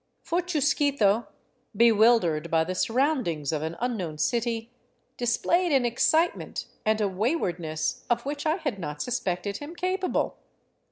For Chusquito, bewildered by the surroundings of an unknown city, displayed an excitement and a waywardness of which I had not sus pected him capable.